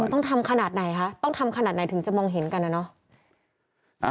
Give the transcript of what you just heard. ต้องทำขนาดไหนคะต้องทำขนาดไหนถึงจะมองเห็นกันนะเนาะ